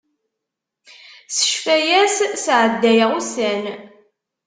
S ccfaya-s sɛeddayeɣ ussan.